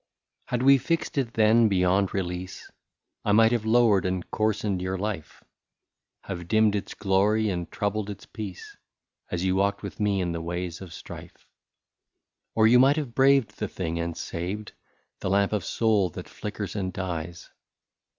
Had we fixed it then beyond release, I might have lowered and coarsened your life, Have dimmed its glory and troubled its peace, As you walked with me in the ways of strife ; Or you might have braved the thing, and saved The lamp of soul that flickers and dies.